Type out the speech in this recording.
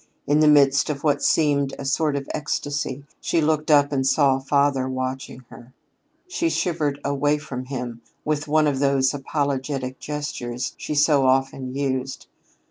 In the midst of what seemed a sort of ecstasy, she looked up and saw father watching her. She shivered away from him with one of those apologetic gestures she so often used.